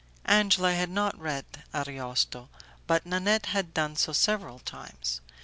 Angela had not read Ariosto, but Nanette had done so several times.